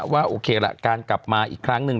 ว่าโอเคละการกลับมาอีกครั้งหนึ่ง